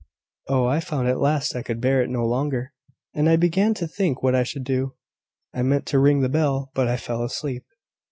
"Oh, I found at last I could bear it no longer, and I began to think what I should do. I meant to ring the bell, but I fell asleep."